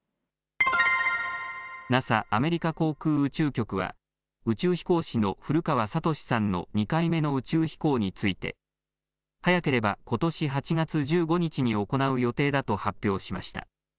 ＮＡＳＡ・アメリカ航空宇宙局は宇宙飛行士の古川聡さんの２回目の宇宙飛行について早ければことし８月１５日に行う予定だと発表しました。